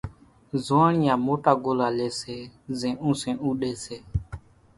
زوئاڻيا موٽا ڳولا لئي سي زين اونسين اُوڏي سي۔